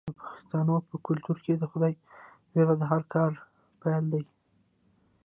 د پښتنو په کلتور کې د خدای ویره د هر کار پیل دی.